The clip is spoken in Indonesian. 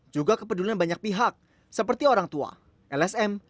juga kepedulian banyak pihak seperti orang tua lsm